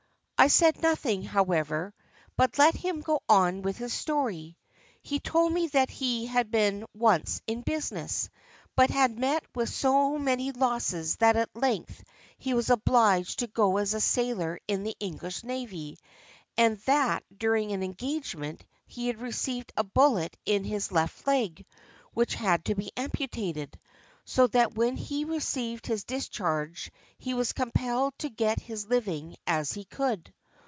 I said nothing, however, but let him go on with his story. He told me that he had been once in business, but had met with so many losses that at length he was obliged to go as a sailor in the English navy, and that during an engagement he had received a bullet in his left leg, which had to be amputated, so that when he received his discharge he was compelled to get his living as he could.